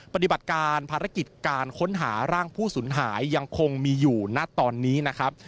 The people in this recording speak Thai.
ปฏิบัติการภารกิจการค้นหาร่างผู้สูญหายยังคงมีอยู่ณตอนนี้นะครับ